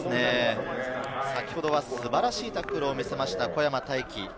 先ほどは素晴らしいタックルを見せました、小山大輝。